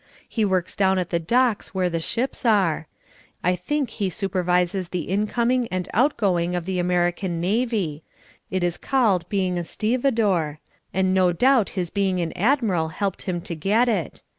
He works down at the docks where the ships are. I think he supervises the incoming and outgoing of the American navy. It is called being a stevedore, and no doubt his being an Admiral helped him to get it.